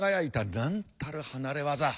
なんたる離れ業。